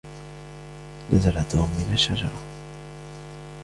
نزل توم من الشجرة.